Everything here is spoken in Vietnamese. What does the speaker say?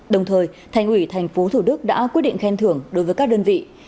đồng thời thành ủy tp thủ đức đã quyết định khen thưởng đối với các đơn vị